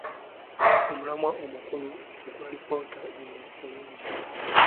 Omulamwa omukulu ogwa alipoota eno mulungi.